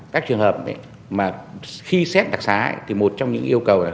các trường hợp khi xét đặc sá thì một trong những yêu cầu là